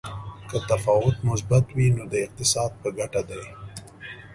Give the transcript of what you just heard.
که تفاوت مثبت وي نو د اقتصاد په ګټه دی.